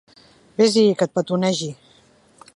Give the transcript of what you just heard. Ves-hi i que et petonegi.